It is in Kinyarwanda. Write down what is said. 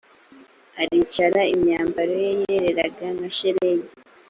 aricara imyambaro ye yeraga nka shelegi